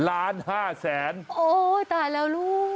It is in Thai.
โอ้ยตายแล้วลูก